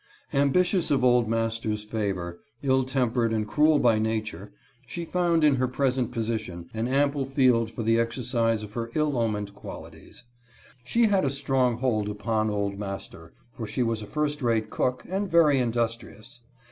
Ambitious of old master's favor, ill tempered and cruel by nature, she found in her present position an ample field for the exercise of her ill omened qualities. She had a strong hold upon old master, for she was a first rate cook, and very industrious.